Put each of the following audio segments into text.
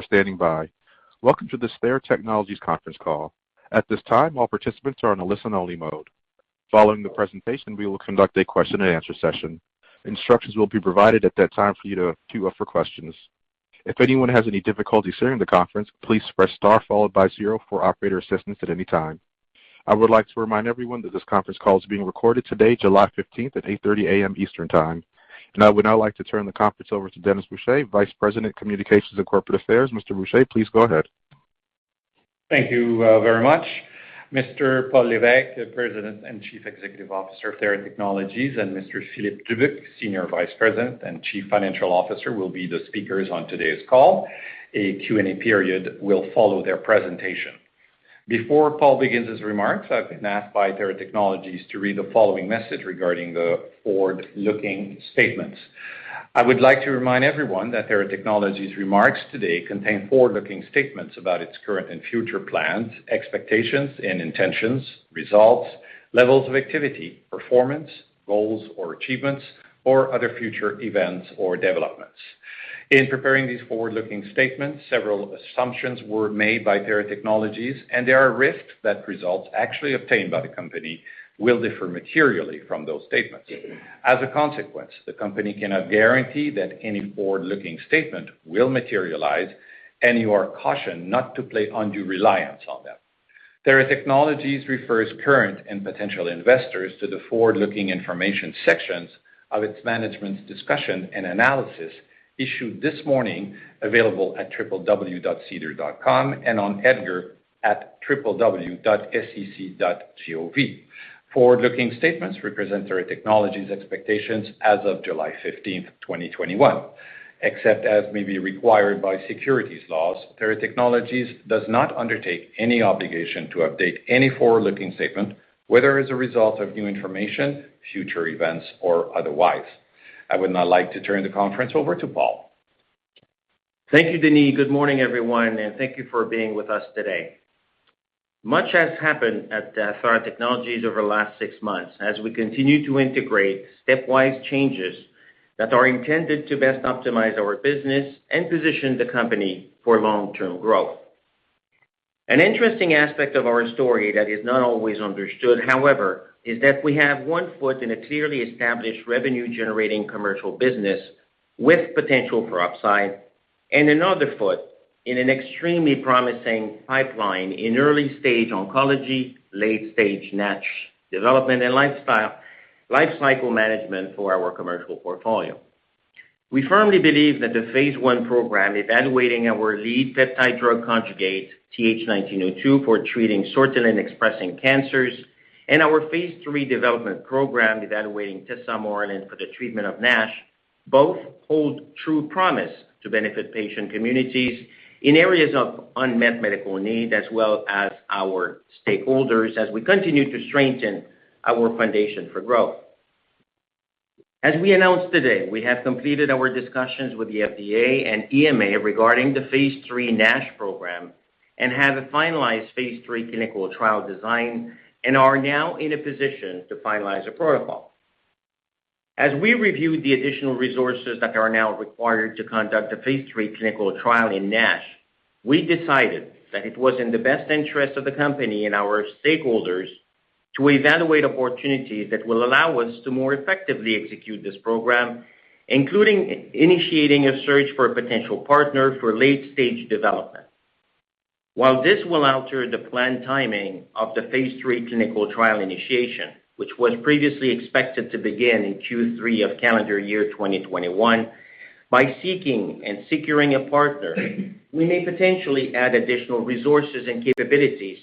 Thank you for standing by. Welcome to the Theratechnologies conference call. At this time, all participants are on listen-only mode. Following the presentation, we will conduct a question-and-answer session. Instructions will be provided at that time for you to queue up for questions. If anyone has any difficulty hearing the conference, please press star followed by zero for operator assistance at any time. I would like to remind everyone that this conference call is being recorded today, July 15th at 8:30 A.M. Eastern time. Now I would now like to turn the conference over to Denis Boucher, Vice President, Communications and Corporate Affairs. Mr. Boucher, please go ahead. Thank you very much. Mr. Paul Lévesque, the President and Chief Executive Officer of Theratechnologies, and Mr. Philippe Dubuc, Senior Vice President and Chief Financial Officer, will be the speakers on today's call. A Q&A period will follow their presentation. Before Paul begins his remarks, I've been asked by Theratechnologies to read the following message regarding the forward-looking statements. I would like to remind everyone that Theratechnologies remarks today contain forward-looking statements about its current and future plans, expectations and intentions, results, levels of activity, performance, goals, or achievements, or other future events or developments. In preparing these forward-looking statements, several assumptions were made by Theratechnologies, and there are risks that results actually obtained by the company will differ materially from those statements. As a consequence, the company cannot guarantee that any forward-looking statement will materialize and you are cautioned not to place undue reliance on them. Theratechnologies refers current and potential investors to the forward-looking information sections of its management's discussion and analysis issued this morning, available at www.sedar.com and on EDGAR at www.sec.gov. Forward-looking statements represent Theratechnologies expectations as of July 15th, 2021. Except as may be required by securities laws, Theratechnologies does not undertake any obligation to update any forward-looking statement, whether as a result of new information, future events, or otherwise. I would now like to turn the conference over to Paul. Thank you, Denis. Good morning, everyone, and thank you for being with us today. Much has happened at Theratechnologies over the last six months as we continue to integrate stepwise changes that are intended to best optimize our business and position the company for long-term growth. An interesting aspect of our story that is not always understood, however, is that we have one foot in a clearly established revenue-generating commercial business with potential for upside, and another foot in an extremely promising pipeline in early-stage oncology, late-stage NASH development, and lifecycle management for our commercial portfolio. We firmly believe that the phase I program evaluating our lead peptide drug conjugate, TH1902 for treating sortilin-expressing cancers and our phase III development program evaluating tesamorelin for the treatment of NASH both hold true promise to benefit patient communities in areas of unmet medical need, as well as our stakeholders as we continue to strengthen our foundation for growth. As we announced today, we have completed our discussions with the FDA and EMA regarding the phase III NASH program and have finalized phase III clinical trial design and are now in a position to finalize a protocol. As we review the additional resources that are now required to conduct a phase III clinical trial in NASH, we decided that it was in the best interest of the company and our stakeholders to evaluate opportunities that will allow us to more effectively execute this program, including initiating a search for a potential partner for late-stage development. While this will alter the planned timing of the phase III clinical trial initiation, which was previously expected to begin in Q3 of calendar year 2021, by seeking and securing a partner, we may potentially add additional resources and capabilities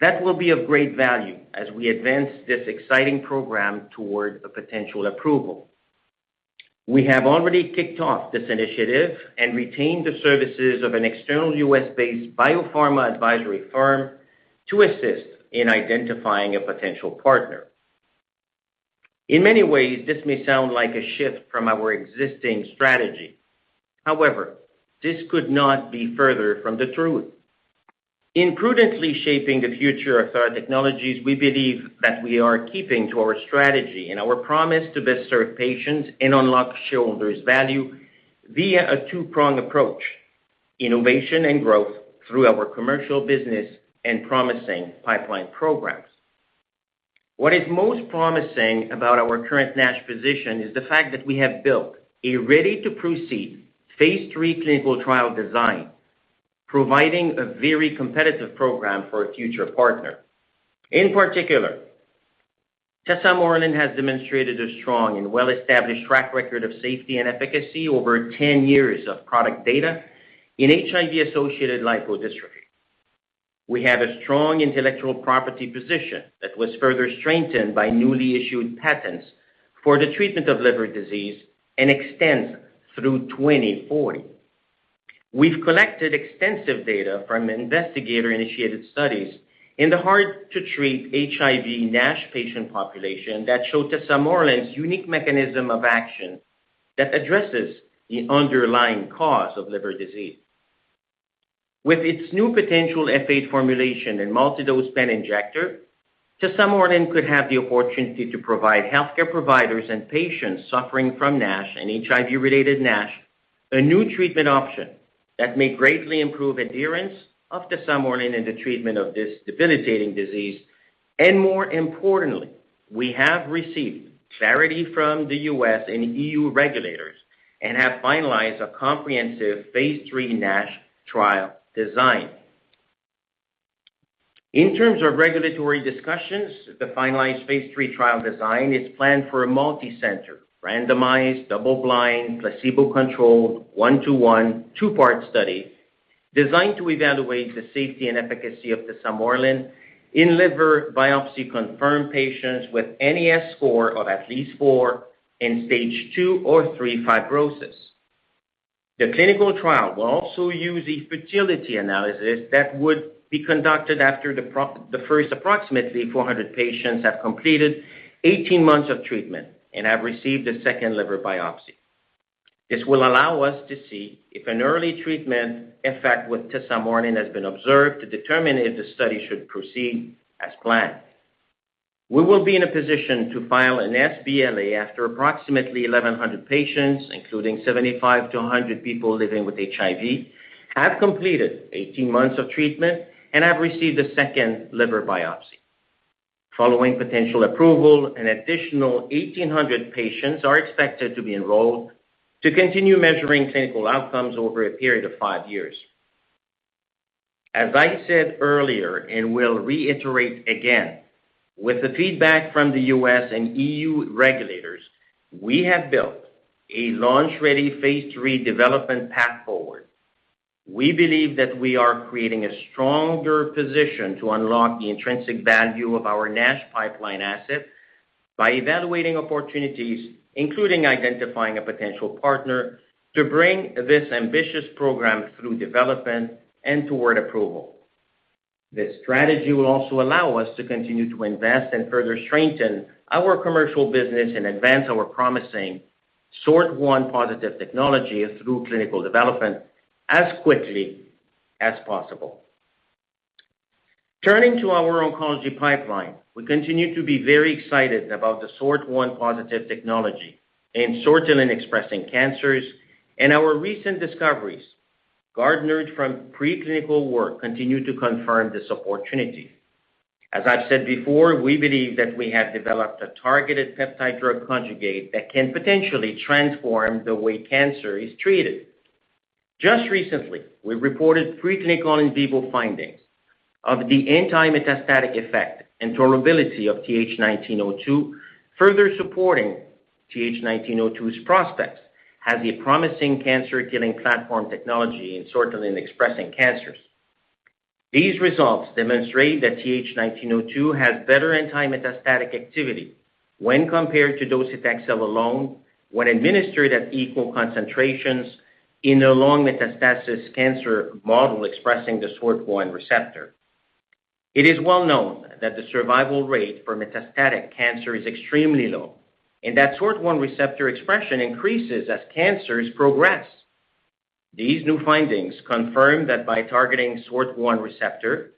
that will be of great value as we advance this exciting program toward a potential approval. We have already kicked off this initiative and retained the services of an external U.S.-based biopharma advisory firm to assist in identifying a potential partner. In many ways, this may sound like a shift from our existing strategy. However, this could not be further from the truth. In prudently shaping the future of Theratechnologies, we believe that we are keeping to our strategy and our promise to best serve patients and unlock shareholders value via a two-pronged approach, innovation and growth through our commercial business and promising pipeline programs. What is most promising about our current NASH position is the fact that we have built a ready-to-proceed phase III clinical trial design, providing a very competitive program for a future partner. In particular, tesamorelin has demonstrated a strong and well-established track record of safety and efficacy over 10 years of product data in HIV-associated lipodystrophy. We have a strong intellectual property position that was further strengthened by newly issued patents for the treatment of liver disease and extends through 2040. We've collected extensive data from investigator-initiated studies in the hard-to-treat HIV NASH patient population that showed tesamorelin's unique mechanism of action that addresses the underlying cause of liver disease. With its new potential F8 formulation and multi-dose pen injector, tesamorelin could have the opportunity to provide healthcare providers and patients suffering from NASH and HIV-related NASH a new treatment option that may greatly improve adherence of tesamorelin in the treatment of this debilitating disease. More importantly, we have received clarity from the U.S. and EU regulators and have finalized a comprehensive phase III NASH trial design. In terms of regulatory discussions, the finalized phase III trial design is planned for a multicenter, randomized, double-blind, placebo-controlled, 1:1, two-part study designed to evaluate the safety and efficacy of tesamorelin in liver biopsy-confirmed patients with NAS score of at least four in stage two or three fibrosis. The clinical trial will also use a futility analysis that would be conducted after the first approximately 400 patients have completed 18 months of treatment and have received a second liver biopsy. This will allow us to see if an early treatment effect with tesamorelin has been observed to determine if the study should proceed as planned. We will be in a position to file an sBLA after approximately 1,100 patients, including 75-100 people living with HIV, have completed 18 months of treatment and have received a second liver biopsy. Following potential approval, an additional 1,800 patients are expected to be enrolled to continue measuring clinical outcomes over a period of five years. As I said earlier, and will reiterate again, with the feedback from the U.S. and EU regulators, we have built a launch-ready phase III development path forward. We believe that we are creating a stronger position to unlock the intrinsic value of our NASH pipeline asset by evaluating opportunities, including identifying a potential partner, to bring this ambitious program through development and toward approval. This strategy will also allow us to continue to invest and further strengthen our commercial business and advance our promising SORT1+ Technology through clinical development as quickly as possible. Turning to our oncology pipeline, we continue to be very excited about the SORT1+ Technology in sortilin-expressing cancers and our recent discoveries garnered from preclinical work continue to confirm this opportunity. As I've said before, we believe that we have developed a targeted peptide drug conjugate that can potentially transform the way cancer is treated. Just recently, we reported preclinical in vivo findings of the anti-metastatic effect and tolerability of TH1902, further supporting TH1902's prospects as a promising cancer-killing platform technology in sortilin-expressing cancers. These results demonstrate that TH1902 has better anti-metastatic activity when compared to docetaxel alone when administered at equal concentrations in a lung metastasis cancer model expressing the SORT1 receptor. It is well known that the survival rate for metastatic cancer is extremely low, and that SORT1 receptor expression increases as cancers progress. These new findings confirm that by targeting SORT1 receptor,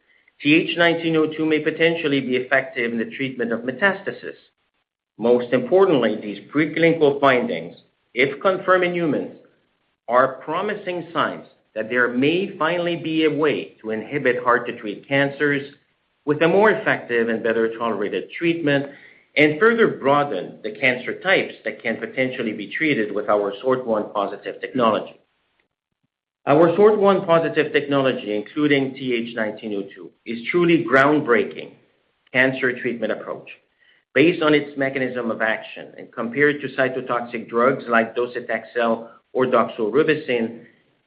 TH1902 may potentially be effective in the treatment of metastasis. Most importantly, these preclinical findings, if confirmed in humans, are promising signs that there may finally be a way to inhibit hard-to-treat cancers with a more effective and better-tolerated treatment and further broaden the cancer types that can potentially be treated with our SORT1+ Technology. Our SORT1+ Technology, including TH1902, is truly groundbreaking cancer treatment approach based on its mechanism of action and compared to cytotoxic drugs like docetaxel or doxorubicin.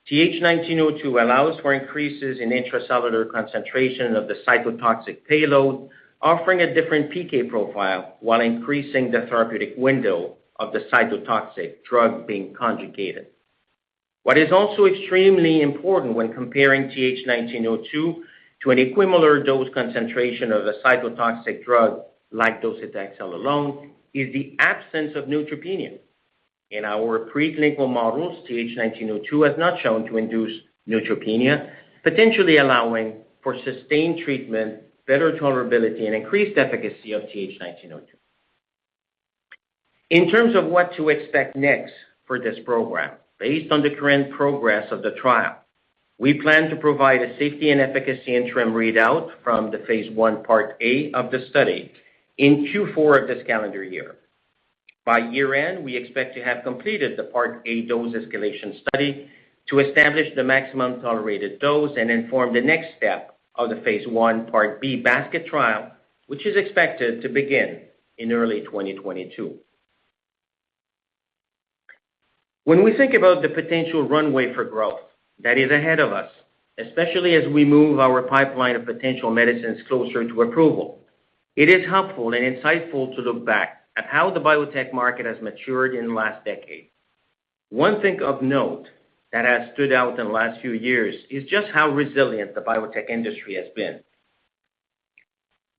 TH1902 allows for increases in intracellular concentration of the cytotoxic payload, offering a different PK profile while increasing the therapeutic window of the cytotoxic drug being conjugated. What is also extremely important when comparing TH1902 to an equimolar dose concentration of a cytotoxic drug like docetaxel alone is the absence of neutropenia. In our preclinical models, TH1902 has not shown to induce neutropenia, potentially allowing for sustained treatment, better tolerability, and increased efficacy of TH1902. In terms of what to expect next for this program, based on the current progress of the trial, we plan to provide a safety and efficacy interim readout from the Phase I Part A of the study in Q4 of this calendar year. By year-end, we expect to have completed the Part A dose escalation study to establish the maximum tolerated dose and inform the next step of the Phase I Part B basket trial, which is expected to begin in early 2022. When we think about the potential runway for growth that is ahead of us, especially as we move our pipeline of potential medicines closer to approval, it is helpful and insightful to look back at how the biotech market has matured in the last decade. One thing of note that has stood out in the last few years is just how resilient the biotech industry has been.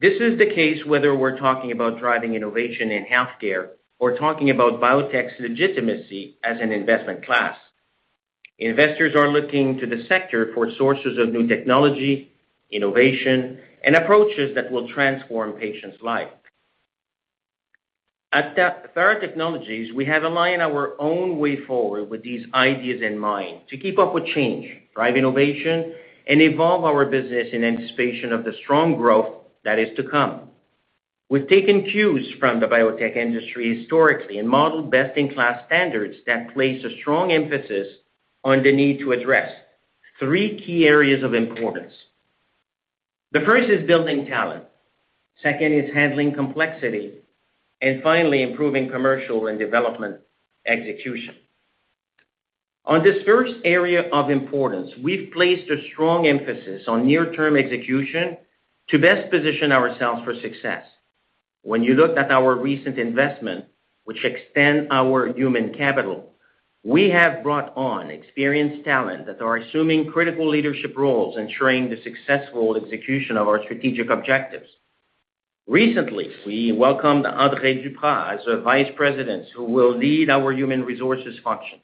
This is the case whether we're talking about driving innovation in healthcare or talking about biotech's legitimacy as an investment class. Investors are looking to the sector for sources of new technology, innovation, and approaches that will transform patients lives. At Theratechnologies, we had aligned our own way forward with these ideas in mind to keep up with change, drive innovation, and evolve our business in anticipation of the strong growth that is to come. We've taken cues from the biotech industry historically and modeled best-in-class standards that place a strong emphasis on the need to address three key areas of importance. The first is building talent, second is handling complexity, and finally, improving commercial and development execution. On this first area of importance, we've placed a strong emphasis on near-term execution to best position ourselves for success. When you look at our recent investments, which extend our human capital, we have brought on experienced talent that are assuming critical leadership roles, ensuring the successful execution of our strategic objectives. Recently, we welcomed André Dupras as a Vice President who will lead our human resources function.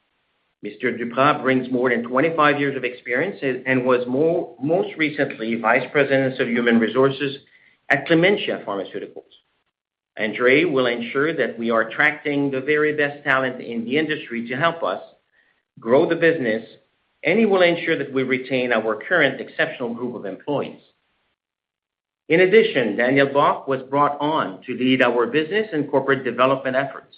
André Dupras brings more than 25 years of experience and was most recently Vice President of Human Resources at Clementia Pharmaceuticals. André will ensure that we are attracting the very best talent in the industry to help us grow the business, and he will ensure that we retain our current exceptional group of employees. In addition, Daniel Bock was brought on to lead our business and corporate development efforts.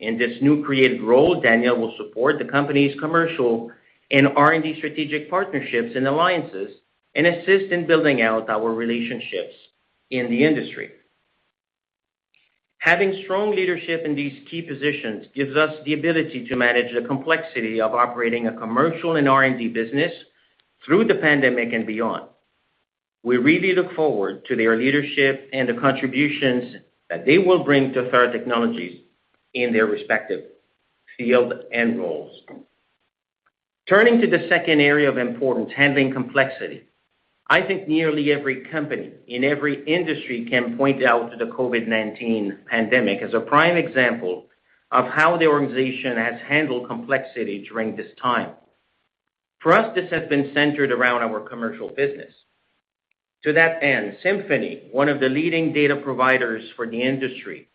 In this newly created role, Daniel will support the company's commercial and R&D strategic partnerships and alliances and assist in building out our relationships in the industry. Having strong leadership in these key positions gives us the ability to manage the complexity of operating a commercial and R&D business through the pandemic and beyond. We really look forward to their leadership and the contributions that they will bring to Theratechnologies in their respective fields and roles. Turning to the second area of importance, handling complexity. I think nearly every company in every industry can point out to the COVID-19 pandemic as a prime example of how the organization has handled complexity during this time. For us, this has been centered around our commercial business. To that end, Symphony Health, one of the leading data providers for the industry,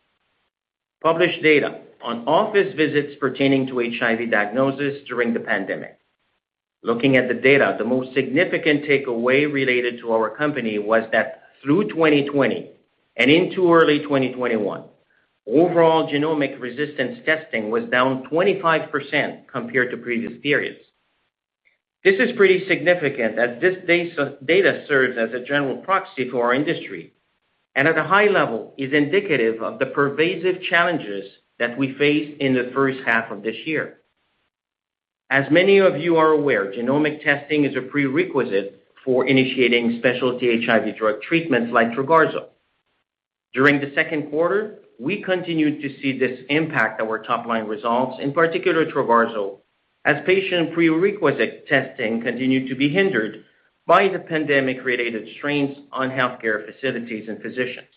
published data on office visits pertaining to HIV diagnosis during the pandemic. Looking at the data, the most significant takeaway related to our company was that through 2020 and into early 2021, overall genomic resistance testing was down 25% compared to previous periods. This is pretty significant as this data serves as a general proxy for our industry and at a high level is indicative of the pervasive challenges that we faced in the first half of this year. As many of you are aware, genomic testing is a prerequisite for initiating specialty HIV drug treatments like Trogarzo. During the second quarter, we continued to see this impact our top-line results, in particular Trogarzo, as patient prerequisite testing continued to be hindered by the pandemic-related strains on healthcare facilities and physicians.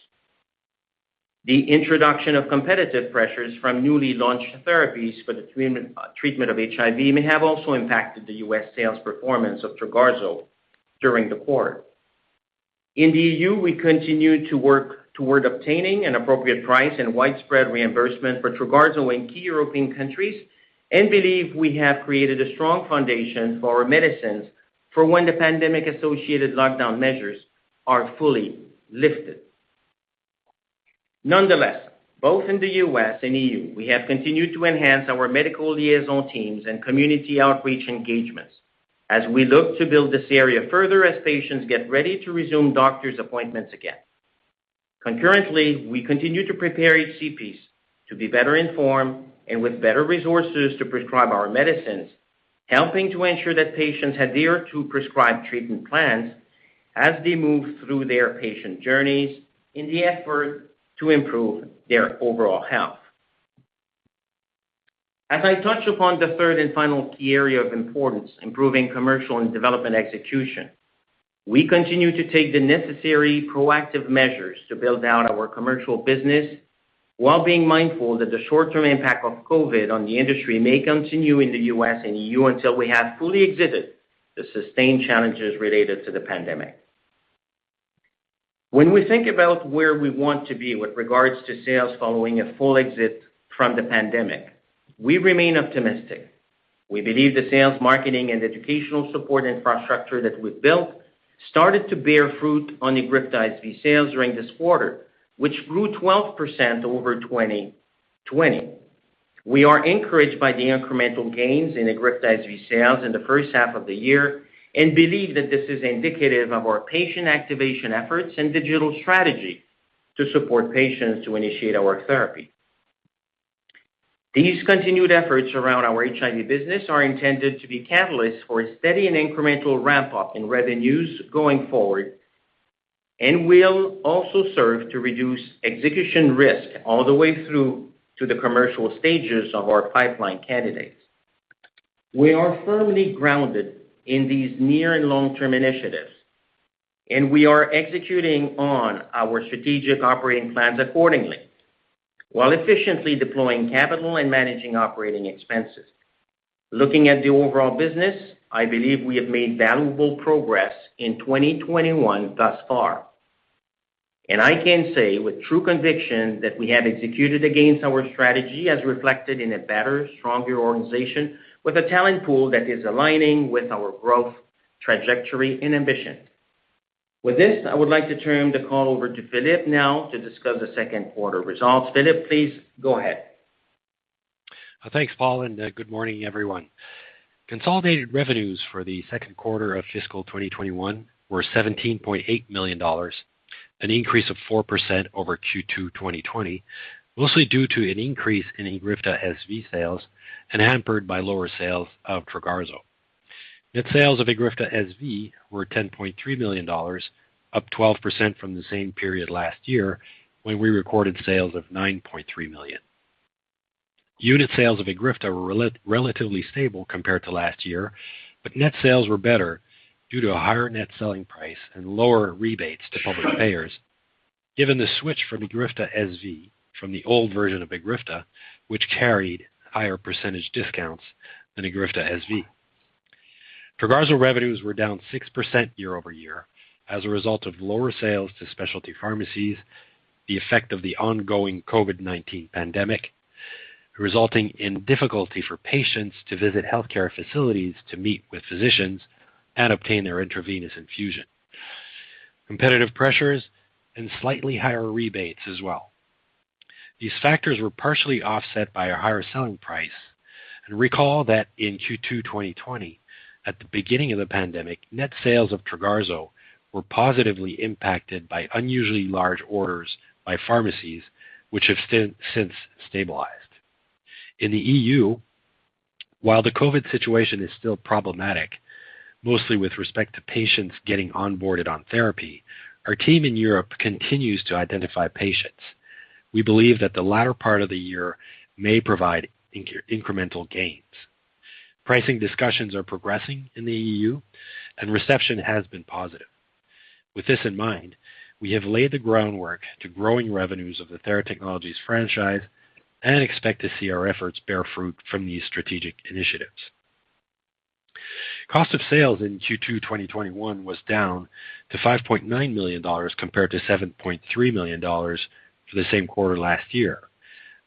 The introduction of competitive pressures from newly launched therapies for the treatment of HIV may have also impacted the U.S. sales performance of Trogarzo during the quarter. In the EU, we continued to work toward obtaining an appropriate price and widespread reimbursement for Trogarzo in key European countries and believe we have created a strong foundation for our medicines for when the pandemic-associated lockdown measures are fully lifted. Nonetheless, both in the U.S. and EU, we have continued to enhance our medical liaison teams and community outreach engagements as we look to build this area further as patients get ready to resume doctor's appointments again. Concurrently, we continue to prepare HCPs to be better informed and with better resources to prescribe our medicines, helping to ensure that patients adhere to prescribed treatment plans as they move through their patient journeys in the effort to improve their overall health. As I touch upon the third and final key area of importance, improving commercial and development execution, we continue to take the necessary proactive measures to build out our commercial business while being mindful that the short-term impact of COVID on the industry may continue in the U.S. and EU until we have fully exited the sustained challenges related to the pandemic. When we think about where we want to be with regards to sales following a full exit from the pandemic, we remain optimistic. We believe the sales, marketing, and educational support infrastructure that we've built started to bear fruit on EGRIFTA's sales during this quarter, which grew 12% over 2020. We are encouraged by the incremental gains in EGRIFTA's sales in the first half of the year and believe that this is indicative of our patient activation efforts and digital strategy to support patients to initiate our therapy. These continued efforts around our HIV business are intended to be catalysts for a steady and incremental ramp-up in revenues going forward and will also serve to reduce execution risk all the way through to the commercial stages of our pipeline candidates. We are firmly grounded in these near and long-term initiatives, and we are executing on our strategic operating plans accordingly while efficiently deploying capital and managing operating expenses. Looking at the overall business, I believe we have made valuable progress in 2021 thus far. I can say with true conviction that we have executed against our strategy as reflected in a better, stronger organization with a talent pool that is aligning with our growth trajectory and ambition. With this, I would like to turn the call over to Philippe now to discuss the second quarter results. Philippe, please go ahead. Thanks, Paul, and good morning, everyone. Consolidated revenues for the second quarter of fiscal 2021 were $17.8 million, an increase of 4% over Q2 2020, mostly due to an increase in EGRIFTA SV sales and hampered by lower sales of Trogarzo. Net sales of EGRIFTA SV were $10.3 million, up 12% from the same period last year when we recorded sales of $9.3 million. Unit sales of EGRIFTA were relatively stable compared to last year, but net sales were better due to a higher net selling price and lower rebates to public payers, given the switch from EGRIFTA SV from the old version of EGRIFTA, which carried higher percentage discounts than EGRIFTA SV. Trogarzo revenues were down 6% year-over-year as a result of lower sales to specialty pharmacies, the effect of the ongoing COVID-19 pandemic, resulting in difficulty for patients to visit healthcare facilities to meet with physicians and obtain their intravenous infusion, competitive pressures, and slightly higher rebates as well. These factors were partially offset by a higher selling price, and recall that in Q2 2020, at the beginning of the pandemic, net sales of Trogarzo were positively impacted by unusually large orders by pharmacies, which have since stabilized. In the EU, while the COVID situation is still problematic, mostly with respect to patients getting onboarded on therapy, our team in Europe continues to identify patients. We believe that the latter part of the year may provide incremental gains. Pricing discussions are progressing in the EU, and reception has been positive. With this in mind, we have laid the groundwork to growing revenues of the Theratechnologies franchise and expect to see our efforts bear fruit from these strategic initiatives. Cost of sales in Q2 2021 was down to $5.9 million compared to $7.3 million for the same quarter last year.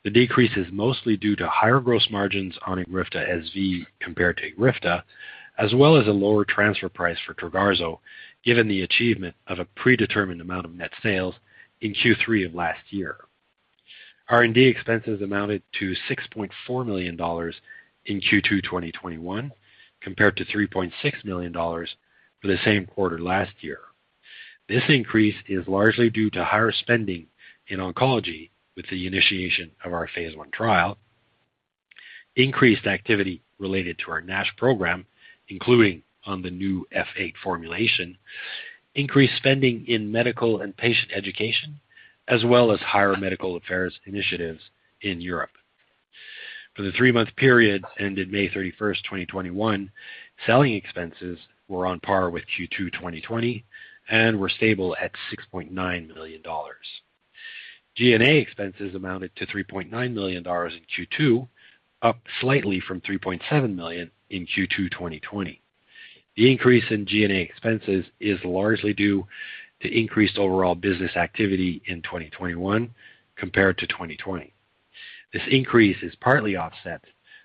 The decrease is mostly due to higher gross margins on EGRIFTA SV compared to EGRIFTA, as well as a lower transfer price for Trogarzo, given the achievement of a predetermined amount of net sales in Q3 of last year. R&D expenses amounted to $6.4 million in Q2 2021, compared to $3.6 million for the same quarter last year. This increase is largely due to higher spending in oncology with the initiation of our phase I trial, increased activity related to our NASH program, including on the new F8 formulation, increased spending in medical and patient education, as well as higher medical affairs initiatives in Europe. For the three-month period ended May 31st, 2021, selling expenses were on par with Q2 2020 and were stable at $6.9 million. G&A expenses amounted to $3.9 million in Q2, up slightly from $3.7 million in Q2 2020. The increase in G&A expenses is largely due to increased overall business activity in 2021 compared to 2020. This increase is partly offset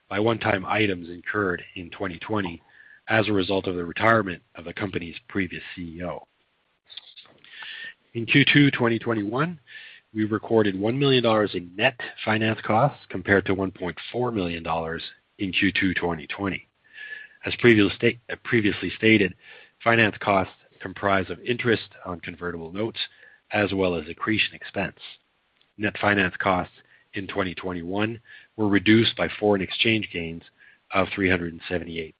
by one-time items incurred in 2020 as a result of the retirement of the company's previous CEO. In Q2 2021, we recorded $1 million in net finance costs, compared to $1.4 million in Q2 2020. As previously stated, finance costs comprise of interest on convertible notes as well as accretion expense. Net finance costs in 2021 were reduced by foreign exchange gains of $378,000.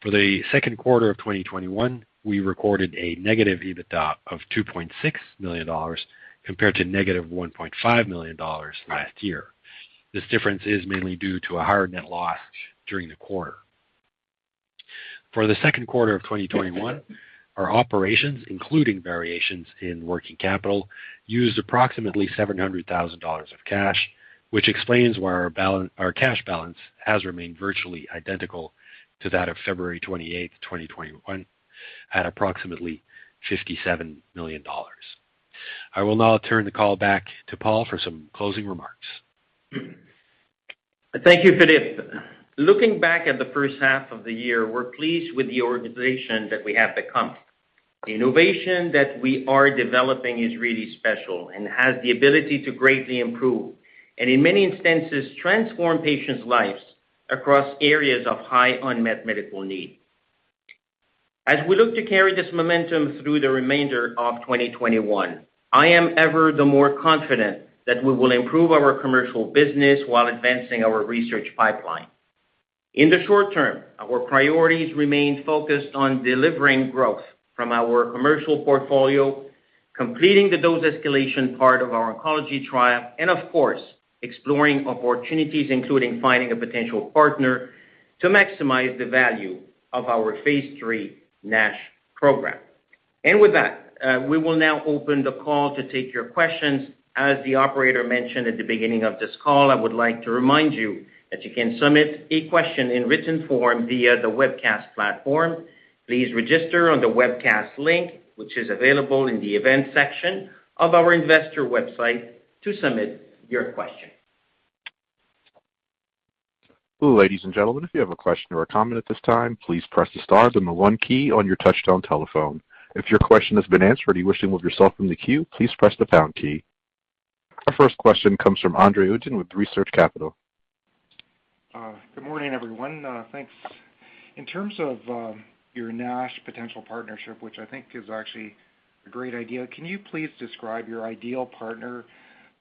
For the second quarter of 2021, we recorded a negative EBITDA of $2.6 million, compared to negative $1.5 million last year. This difference is mainly due to a higher net loss during the quarter. For the second quarter of 2021, our operations, including variations in working capital, used approximately $700,000 of cash, which explains why our cash balance has remained virtually identical to that of February 28th, 2021 at approximately $57 million. I will now turn the call back to Paul for some closing remarks. Thank you, Philippe. Looking back at the 1st half of the year, we're pleased with the organization that we have to come. The innovation that we are developing is really special and has the ability to greatly improve, and in many instances, transform patients' lives across areas of high unmet medical need. As we look to carry this momentum through the remainder of 2021, I am ever the more confident that we will improve our commercial business while advancing our research pipeline. In the short term, our priorities remain focused on delivering growth from our commercial portfolio, completing the dose escalation part of our oncology trial and, of course, exploring opportunities, including finding a potential partner to maximize the value of our phase III NASH program. With that, we will now open the call to take your questions. As the operator mentioned at the beginning of this call, I would like to remind you that you can submit a question in written form via the webcast platform. Please register on the webcast link, which is available in the events section of our investor website to submit your question. Ladies and gentlemen, if you have a question or comment at this time please press the star and the one key on your touchtone telephone. If your question has been answered or you wish to withdraw yourself from the queue, please press the pound key. Our first question comes from André Uddin with Research Capital. Good morning, everyone. Thanks. In terms of your NASH potential partnership, which I think is actually a great idea, can you please describe your ideal partner?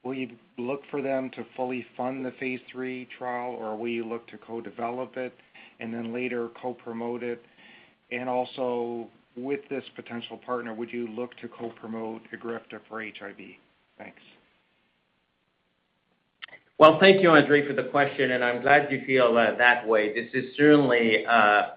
Will you look for them to fully fund the phase III trial, or will you look to co-develop it and then later co-promote it? Also with this potential partner, would you look to co-promote EGRIFTA for HIV? Thanks. Thank you, André, for the question, and I'm glad you feel that way. This is certainly a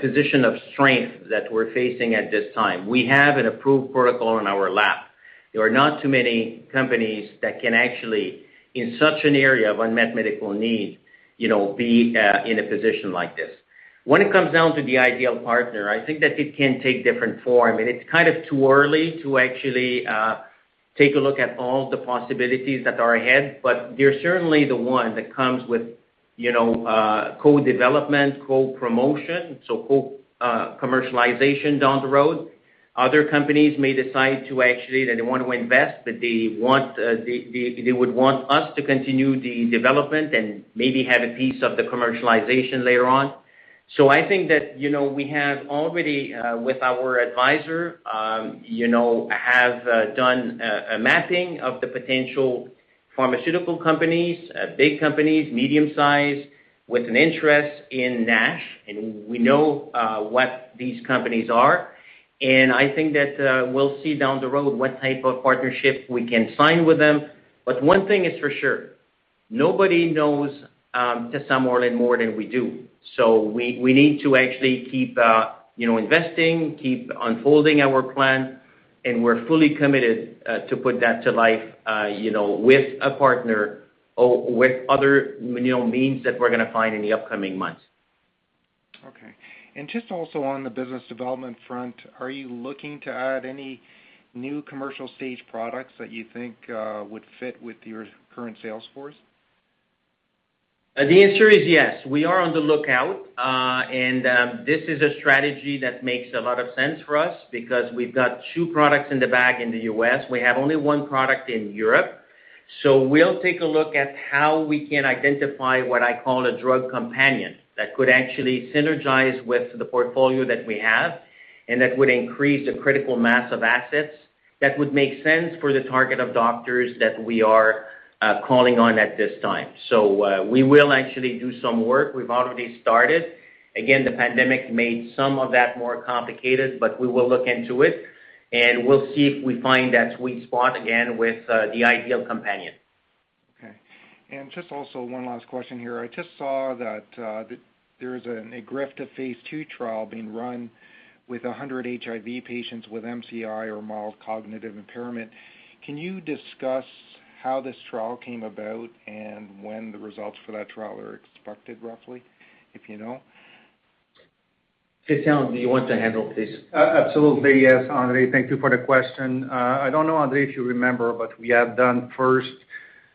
position of strength that we're facing at this time. We have an approved protocol on our lap. There are not too many companies that can actually, in such an area of unmet medical need, be in a position like this. When it comes down to the ideal partner, I think that it can take different forms, and it's kind of too early to actually take a look at all the possibilities that are ahead. There's certainly the one that comes with co-development, co-promotion, so co-commercialization down the road. Other companies may decide to actually, they don't want to invest, but they would want us to continue the development and maybe have a piece of the commercialization later on. I think that we have already with our advisor, have done a mapping of the potential pharmaceutical companies, big companies, medium-size, with an interest in NASH, and we know what these companies are. I think that we'll see down the road what type of partnership we can sign with them. One thing is for sure, nobody knows tesamorelin more than we do. We need to actually keep investing, keep unfolding our plan, and we're fully committed to put that to life with a partner or with other means that we're going to find in the upcoming months. Okay. Just also on the business development front, are you looking to add any new commercial-stage products that you think would fit with your current sales force? The answer is yes, we are on the lookout. This is a strategy that makes a lot of sense for us because we've got 2 products in the bag in the U.S. We have only one product in Europe. We'll take a look at how we can identify what I call a drug companion that could actually synergize with the portfolio that we have, and that would increase the critical mass of assets that would make sense for the target of doctors that we are calling on at this time. We will actually do some work. We've already started. Again, the pandemic made some of that more complicated, but we will look into it and we'll see if we find that sweet spot again with the ideal companion. Okay. Just also one last question here. I just saw that there's an EGRIFTA phase II trial being run with 100 HIV patients with MCI or mild cognitive impairment. Can you discuss how this trial came about and when the results for that trial are expected, roughly, if you know? Christian, do you want to handle this? Absolutely, yes, Andre, thank you for the question. I don't know, Andre, if you remember, but we had done first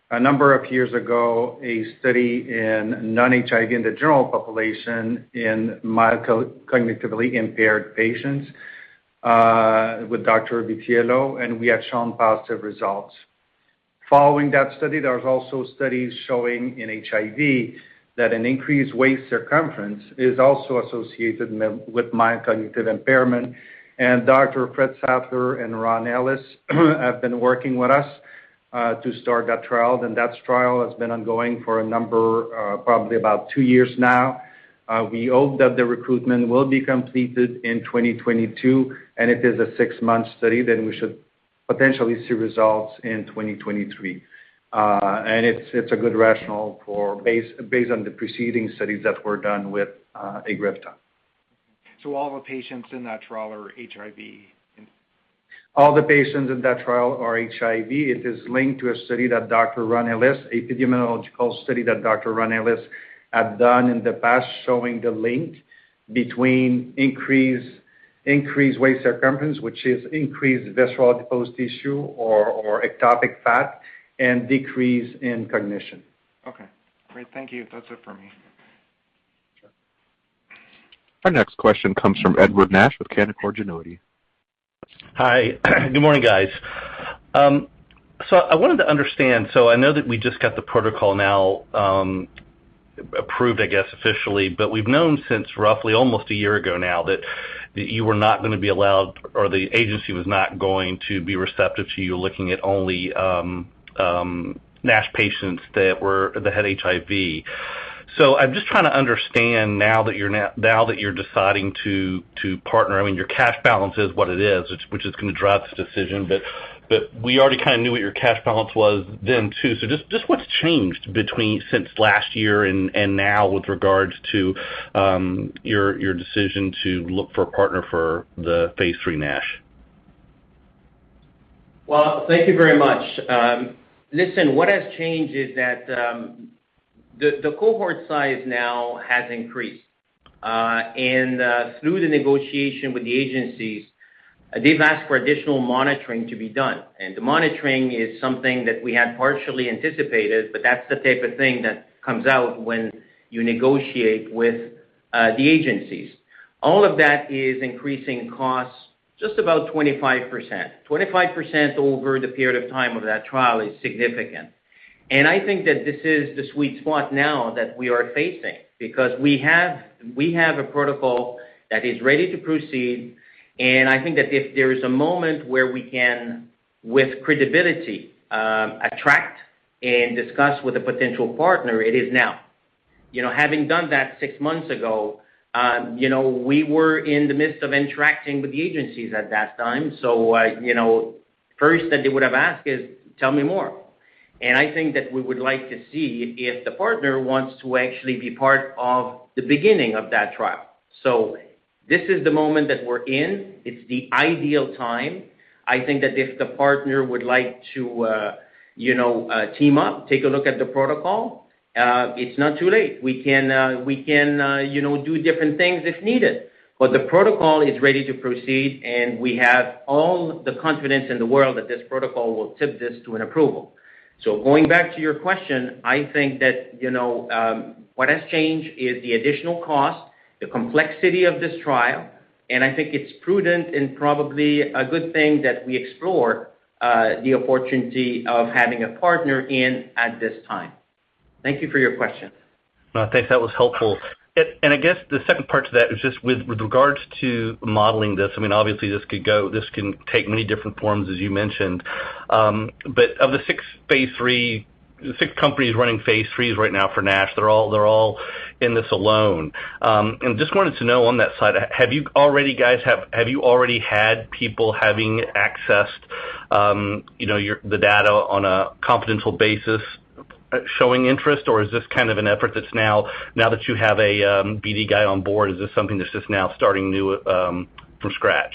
a number of years ago, a study in non-HIV in the general population in mild cognitively impaired patients, with Dr. Vitiello, and we have shown positive results. Following that study, there's also studies showing in HIV that an increased waist circumference is also associated with mild cognitive impairment. Dr. Fred Sattler and Ron Ellis have been working with us to start that trial. That trial has been ongoing for a number, probably about 2 years now. We hope that the recruitment will be completed in 2022. If it's a 6-month study, then we should potentially see results in 2023. It's a good rationale based on the preceding studies that were done with EGRIFTA. All the patients in that trial are HIV? All the patients in that trial are HIV. It is linked to a study that Dr. Ron Ellis, epidemiological study that Dr. Ron Ellis have done in the past showing the link between increased waist circumference, which is increased visceral adipose tissue or ectopic fat, and decrease in cognition. Okay. All right. Thank you. That's it for me. Sure. Our next question comes from Edward Nash with Canaccord Genuity. Hi. Good morning, guys. I wanted to understand, I know that we just got the protocol now approved, I guess, officially, but we've known since roughly almost one year ago now that you were not going to be allowed or the agency was not going to be receptive to you looking at only NASH patients that had HIV. I'm just trying to understand now that you're deciding to partner, your cash balance is what it is, which is going to drive the decision. We already kind of knew what your cash balance was then, too. Just what's changed between since last year and now with regards to your decision to look for a partner for the phase III NASH? Well, thank you very much. Listen, what has changed is that the cohort size now has increased. Through the negotiation with the agencies, they've asked for additional monitoring to be done. The monitoring is something that we had partially anticipated, but that's the type of thing that comes out when you negotiate with the agencies. All of that is increasing costs just about 25%. 25% over the period of time of that trial is significant. I think that this is the sweet spot now that we are facing because we have a protocol that is ready to proceed, and I think that if there is a moment where we can, with credibility, attract and discuss with a potential partner, it is now. Having done that six months ago, we were in the midst of interacting with agencies at that time. First they would have asked is, "Tell me more." I think that we would like to see if the partner wants to actually be part of the beginning of that trial. This is the moment that we're in. It's the ideal time. I think that if the partner would like to team up, take a look at the protocol, it's not too late. We can do different things if needed. The protocol is ready to proceed, and we have all the confidence in the world that this protocol will tip this to an approval. Going back to your question, I think that what has changed is the additional cost, the complexity of this trial, and I think it's prudent and probably a good thing that we explore the opportunity of having a partner in at this time. Thank you for your question. No, I think that was helpful. I guess the second part to that is just with regards to modeling this, obviously this can take many different forms, as you mentioned. Of the six companies running phase III right now for NASH, they're all in this alone. I just wanted to know on that side, have you already had people having accessed the data on a confidential basis showing interest, or is this kind of an effort that's now that you have a BD guy on board, is this something that's just now starting new from scratch?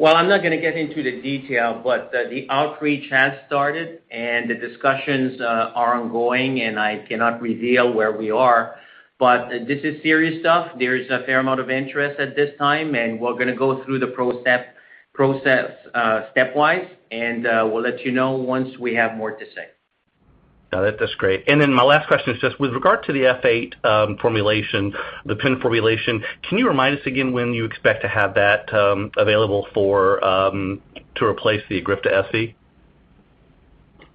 Well, I'm not going to get into the detail, but the outreach has started and the discussions are ongoing, and I cannot reveal where we are. This is serious stuff. There is a fair amount of interest at this time, and we're going to go through the process stepwise, and we'll let you know once we have more to say. No, that's great. My last question is just with regard to the F8 formulation, the pin formulation, can you remind us again when you expect to have that available to replace the EGRIFTA SV?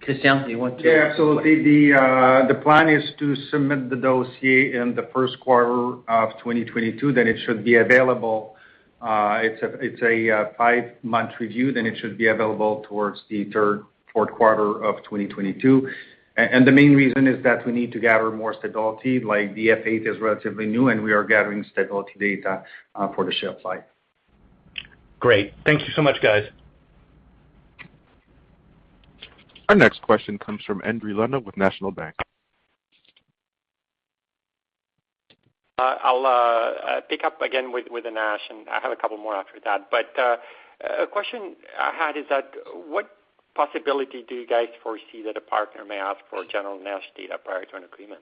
Christian, do you want to? Yeah, absolutely. The plan is to submit the dossier in the 1st quarter of 2022. It should be available. It is a five-month review. It should be available towards the third, fourth quarter of 2022. The main reason is that we need to gather more stability. Like the F8 is relatively new, and we are gathering stability data for the shelf life. Great. Thank you so much, guys. Our next question comes from Endri Leno with National Bank. I'll pick up again with the NASH, and I have a couple more after that. The question I had is that what possibility do you guys foresee that a partner may ask for general NASH data prior to an agreement?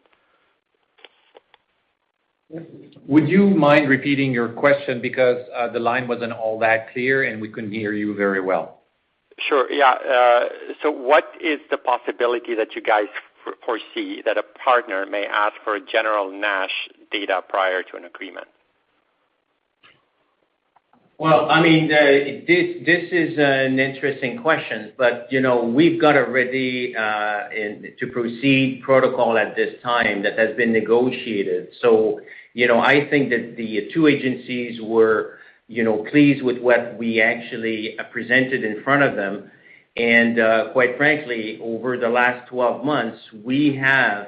Would you mind repeating your question? Because the line wasn't all that clear, and we couldn't hear you very well. Sure. Yeah. What is the possibility that you guys foresee that a partner may ask for general NASH data prior to an agreement? This is an interesting question, but we've got a ready-to-proceed protocol at this time that has been negotiated. I think that the two agencies were pleased with what we actually presented in front of them. Quite frankly, over the last 12 months, we have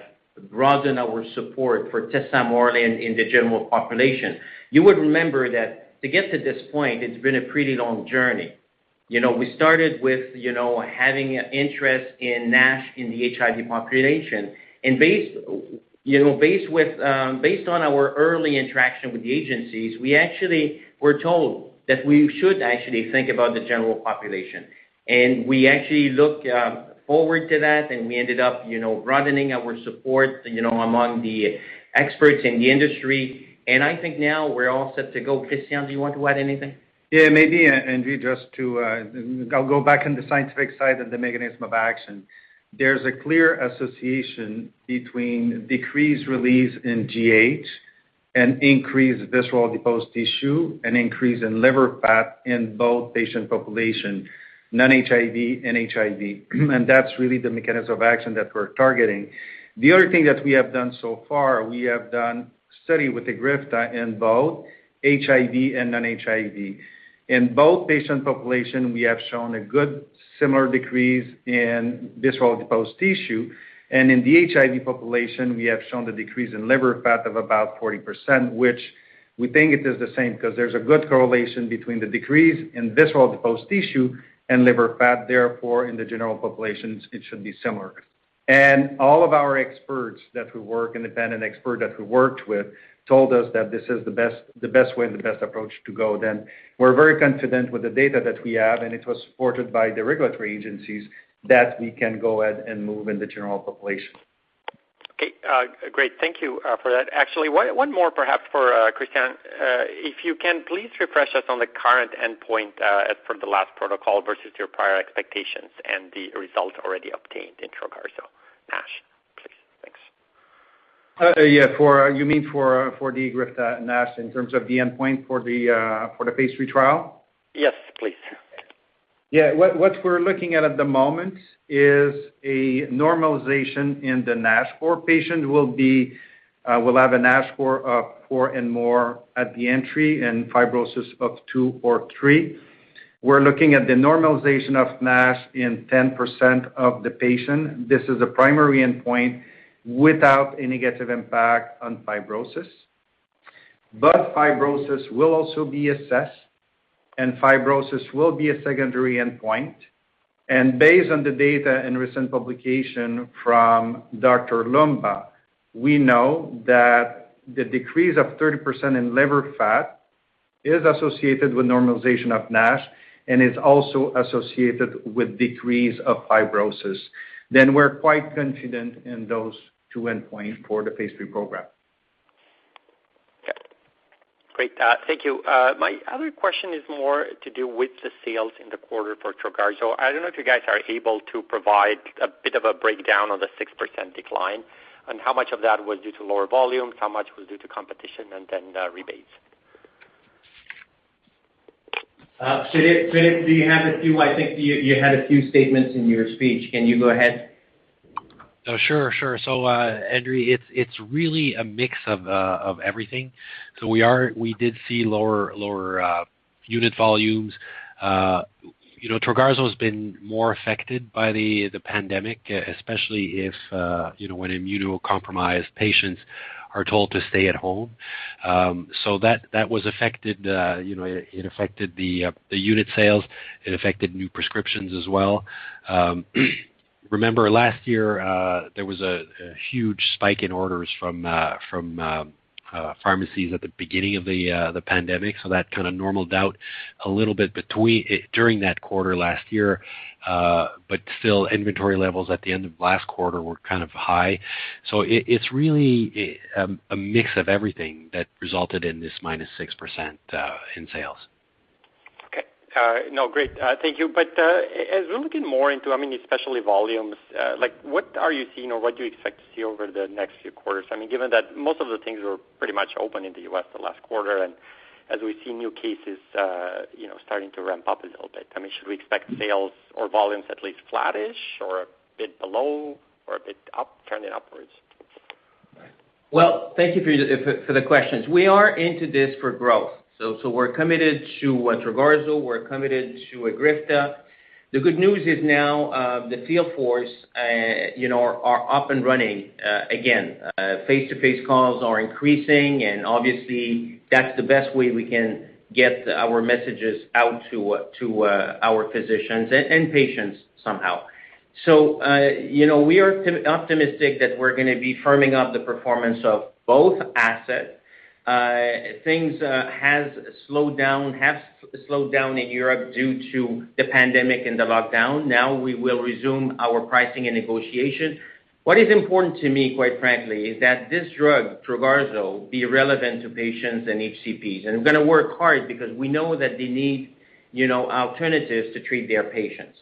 broadened our support for tesamorelin in the general population. You would remember that to get to this point, it's been a pretty long journey. We started with having interest in NASH in the HIV population. Based on our early interaction with the agencies, we actually were told that we should actually think about the general population. We actually looked forward to that, and we ended up broadening our support among the experts in the industry. I think now we're all set to go. Christian, do you want to add anything? Yeah. Maybe, Endri, I'll go back on the scientific side of the mechanism of action. There's a clear association between decreased release in GH and increased visceral adipose tissue and increase in liver fat in both patient population, non-HIV and HIV. That's really the mechanism of action that we're targeting. The other thing that we have done so far, we have done study with EGRIFTA in both HIV and non-HIV. In both patient populations, we have shown a good similar decrease in visceral adipose tissue. In the HIV population, we have shown a decrease in liver fat of about 40%, which we think it is the same because there's a good correlation between the decrease in visceral adipose tissue and liver fat. Therefore, in the general population, it should be similar. All of our experts that we work with and have been an expert that we worked with told us that this is the best way and the best approach to go. We're very confident with the data that we have, and it was supported by the regulatory agencies that we can go ahead and move in the general population. Okay. Great. Thank you for that. Actually, one more perhaps for Christian. If you can please refresh us on the current endpoint as from the last protocol versus your prior expectations and the results already obtained in EGRIFTA NASH, please. Thanks. You mean for the EGRIFTA NASH in terms of the endpoint for the phase III trial? Yes, please. Yeah. What we're looking at at the moment is a normalization in the NAS score. Patients will have a NAS score of four and more at the entry and fibrosis of two or three. We're looking at the normalization of NASH in 10% of the patients. This is a primary endpoint without any negative impact on fibrosis. Fibrosis will also be assessed, and fibrosis will be a secondary endpoint. Based on the data and recent publication from Dr. Loomba, we know that the decrease of 30% in liver fat is associated with normalization of NASH and is also associated with decrease of fibrosis. We're quite confident in those two endpoints for the phase III program. Okay, great. Thank you. My other question is more to do with the sales in the quarter for Trogarzo. I don't know if you guys are able to provide a bit of a breakdown on the 6% decline and how much of that was due to lower volume, how much was due to competition, and then rebates. Philippe, do you have a few? I think you had a few statements in your speech. Can you go ahead? Sure. Endri, it's really a mix of everything. We did see lower unit volumes. Trogarzo's been more affected by the pandemic, especially when immunocompromised patients are told to stay at home. That affected the unit sales. It affected new prescriptions as well. Remember last year, there was a huge spike in orders from pharmacies at the beginning of the pandemic. That kind of normalized out a little bit during that quarter last year. Still, inventory levels at the end of last quarter were kind of high. It's really a mix of everything that resulted in this -6% in sales. Okay. No, great. Thank you. A little bit more into, especially volumes, what are you seeing or what do you expect to see over the next few quarters? Given that most of the things were pretty much open in the U.S. the last quarter and as we see new cases starting to ramp up a little bit, should we expect sales or volumes at least flattish or a bit below or a bit trending upwards? Well, thank you for the questions. We are into this for growth. We're committed to Trogarzo, we're committed to EGRIFTA. The good news is now the field force are up and running again. Face-to-face calls are increasing, obviously, that's the best way we can get our messages out to our physicians and patients somehow. We are optimistic that we're going to be firming up the performance of both assets. Things have slowed down in Europe due to the pandemic and the lockdown. Now we will resume our pricing and negotiation. What is important to me, quite frankly, is that this drug, Trogarzo, be relevant to patients and HCPs, we're going to work hard because we know that they need alternatives to treat their patients.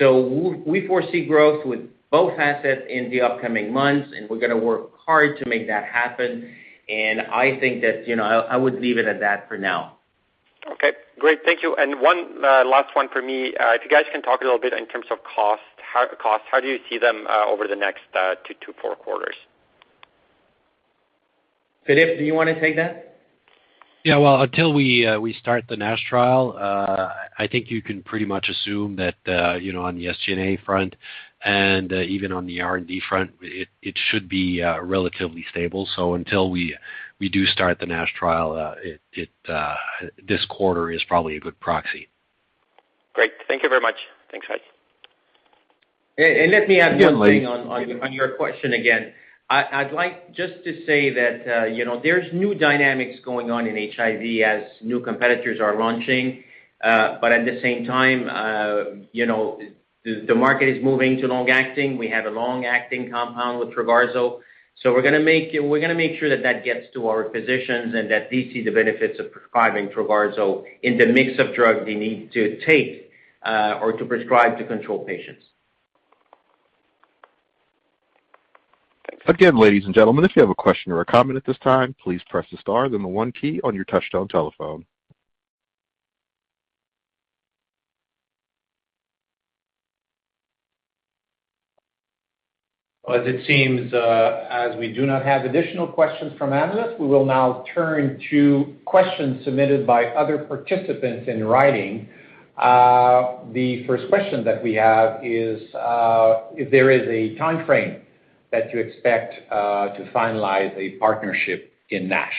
We foresee growth with both assets in the upcoming months, we're going to work hard to make that happen. I think that I would leave it at that for now. Okay, great. Thank you. One last one for me. If you guys can talk a little bit in terms of cost, how do you see them over the next two to four quarters? Philippe, do you want to take that? Well, until we start the NASH trial, I think you can pretty much assume that on the SG&A front and even on the R&D front, it should be relatively stable. Until we do start the NASH trial, this quarter is probably a good proxy. Great. Thank you very much. Thanks, guys. Let me add something on your question again. I'd like just to say that there's new dynamics going on in HIV as new competitors are launching. At the same time, the market is moving to long-acting. We have a long-acting compound with Trogarzo. We're going to make sure that that gets to our physicians and that they see the benefits of prescribing Trogarzo in the mix of drugs they need to take or to prescribe to control patients. Again, ladies and gentlemen, if you have a question or a comment at this time, please press the star then the one key on your touchtone telephone. It seems, as we do not have additional questions from analysts, we will now turn to questions submitted by other participants in writing. The first question that we have is if there is a time frame that you expect to finalize a partnership in NASH?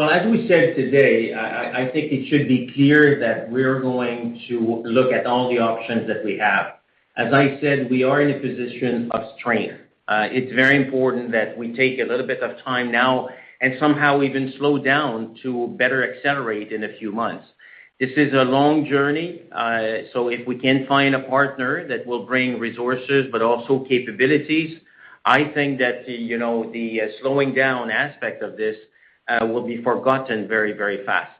As we said today, I think it should be clear that we're going to look at all the options that we have. As I said, we are in a position of strength. It's very important that we take a little bit of time now and somehow even slow down to better accelerate in a few months. This is a long journey. If we can find a partner that will bring resources but also capabilities, I think that the slowing down aspect of this will be forgotten very fast.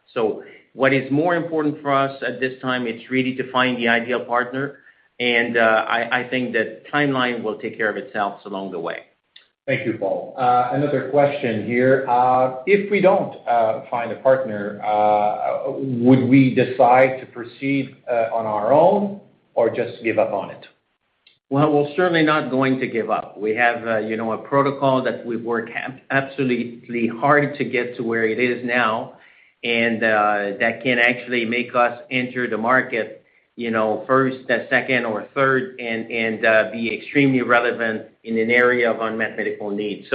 What is more important for us at this time, it's really to find the ideal partner, and I think that timeline will take care of itself along the way. Thank you, Paul. Another question here. If we don't find a partner, would we decide to proceed on our own or just give up on it? Well, we're certainly not going to give up. We have a protocol that we've worked absolutely hard to get to where it is now, and that can actually make us enter the market first and second or third and be extremely relevant in an area of unmet medical need.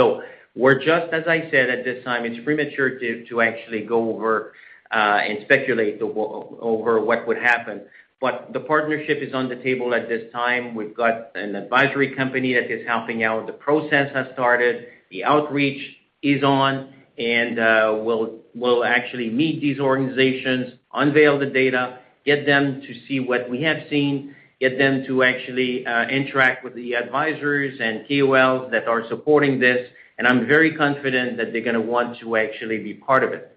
We're just, as I said, at this time, it's premature to actually go over and speculate over what would happen. The partnership is on the table at this time. We've got an advisory company that is helping out. The process has started. The outreach is on, and we'll actually meet these organizations, unveil the data, get them to see what we have seen, get them to actually interact with the advisors and KOLs that are supporting this, and I'm very confident that they're going to want to actually be part of it.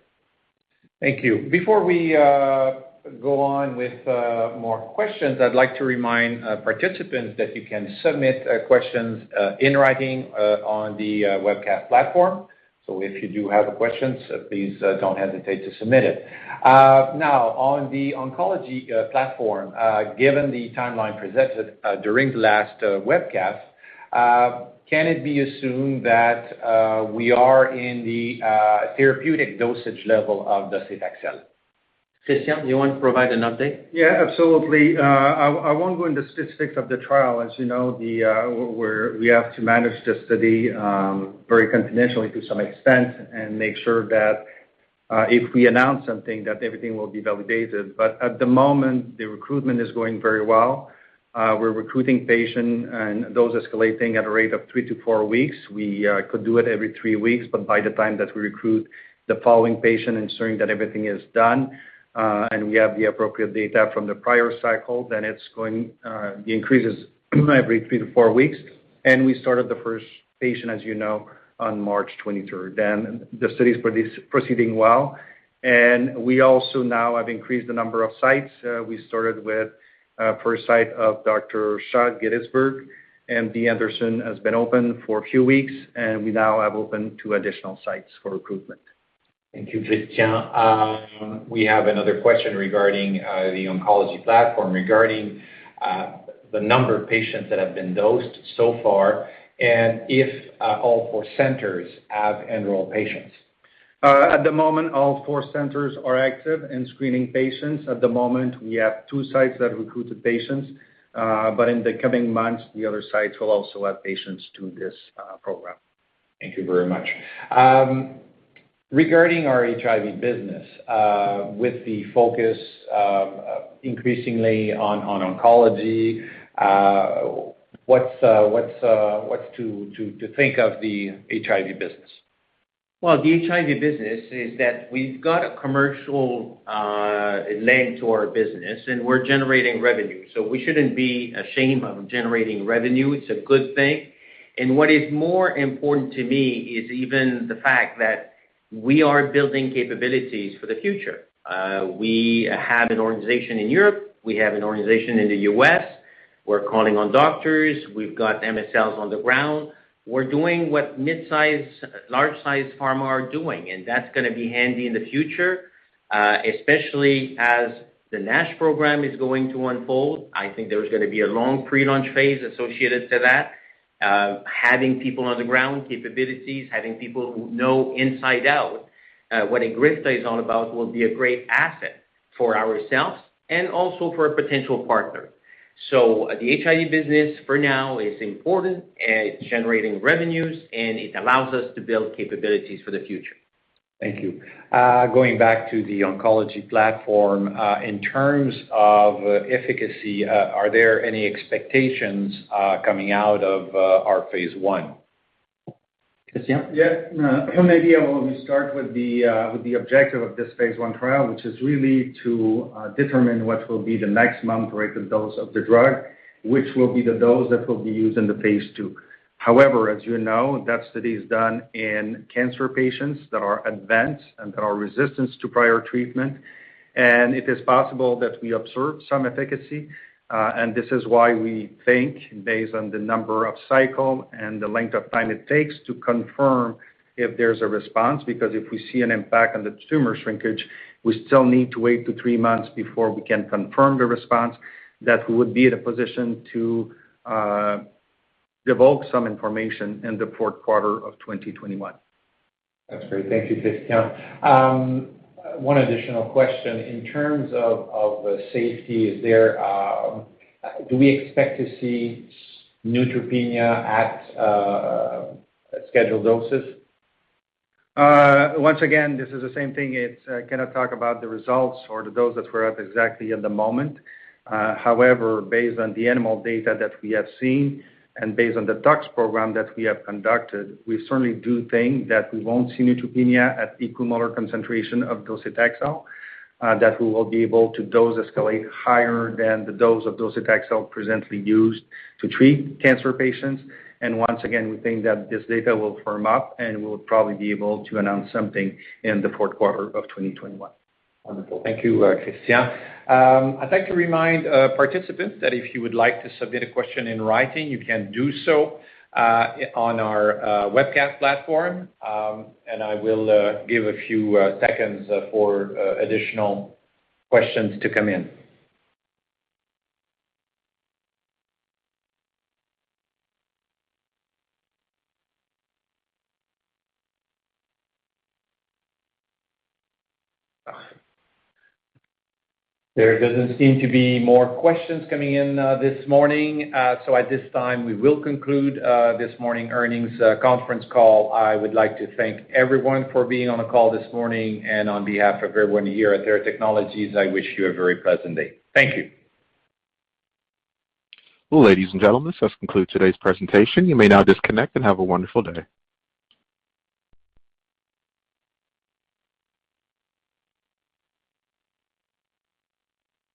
Thank you. Before we go on with more questions, I'd like to remind participants that you can submit questions in writing on the webcast platform. If you do have questions, please don't hesitate to submit it. Now, on the oncology platform, given the timeline presented during the last webcast, can it be assumed that we are in the therapeutic dosage level of the sudocetaxel? Christian, you want to provide an update? Yeah, absolutely. I won't go into specifics of the trial. As you know, we have to manage the study very confidentially to some extent and make sure that if we announce something, that everything will be validated. At the moment, the recruitment is going very well. We are recruiting patients and dose escalating at a rate of three to four weeks. We could do it every three weeks, but by the time that we recruit the following patient, ensuring that everything is done and we have the appropriate data from the prior cycle, then it increases every three to four weeks. We started the first patient, as you know, on March 23rd. The study is proceeding well, and we also now have increased the number of sites. We started with first site of Dr. Shah, Gettysburg, MD Anderson has been open for a few weeks, and we now have opened two additional sites for recruitment. Thank you, Christian. We have another question regarding the oncology platform, regarding the number of patients that have been dosed so far and if all four centers have enrolled patients. At the moment, all four centers are active in screening patients. At the moment, we have two sites that recruited patients. In the coming months, the other sites will also add patients to this program. Thank you very much. Regarding our HIV business, with the focus increasingly on oncology, what to think of the HIV business? Well, the HIV business is that we've got a commercial lens to our business, and we're generating revenue, so we shouldn't be ashamed of generating revenue. It's a good thing. What is more important to me is even the fact that we are building capabilities for the future. We have an organization in Europe. We have an organization in the U.S. We're calling on doctors. We've got MSLs on the ground. We're doing what mid-size, large-size pharma are doing, and that's going to be handy in the future, especially as the NASH program is going to unfold. I think there's going to be a long pre-launch phase associated with that. Having people on the ground with capabilities, having people who know inside out what EGRIFTA is all about will be a great asset for ourselves and also for a potential partner. The HIV business for now is important. It's generating revenues, and it allows us to build capabilities for the future. Thank you. Going back to the oncology platform, in terms of efficacy, are there any expectations coming out of our phase I? Christian? Maybe I will start with the objective of this phase I trial, which is really to determine what will be the maximum tolerated dose of the drug, which will be the dose that will be used in the phase II. As you know, that study is done in cancer patients that are advanced and are resistant to prior treatment. It is possible that we observe some efficacy, and this is why we think based on the number of cycles and the length of time it takes to confirm if there's a response. If we see an impact on the tumor shrinkage, we still need to wait to three months before we can confirm the response that we would be in a position to divulge some information in Q4 2021. That's great. Thank you, Christian. One additional question. In terms of safety, do we expect to see neutropenia at scheduled doses? Once again, this is the same thing. I cannot talk about the results or the doses we're at exactly at the moment. However, based on the animal data that we have seen and based on the tox program that we have conducted, we certainly do think that we won't see neutropenia at equimolar concentration of docetaxel, that we will be able to dose escalate higher than the dose of docetaxel presently used to treat cancer patients. Once again, we think that this data will firm up, and we'll probably be able to announce something in the fourth quarter of 2021. Wonderful. Thank you, Christian. I'd like to remind participants that if you would like to submit a question in writing, you can do so on our webcast platform. I will give a few seconds for additional questions to come in. There doesn't seem to be more questions coming in this morning. At this time, we will conclude this morning's earnings conference call. I would like to thank everyone for being on the call this morning. On behalf of everyone here at Theratechnologies, I wish you a very pleasant day. Thank you. Well, ladies and gentlemen, this does conclude today's presentation. You may now disconnect, and have a wonderful day.